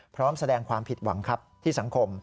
พร้อมแสดงความผิดหวังครับที่สังคม